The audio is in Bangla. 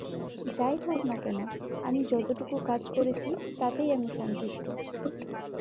যাই হোক না কেন, আমি যতটুকু কাজ করেছি, তাতেই আমি সন্তুষ্ট।